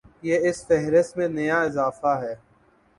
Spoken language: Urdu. یہ اس فہرست میں نیا اضافہ ہے۔